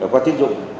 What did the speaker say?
qua tính dụng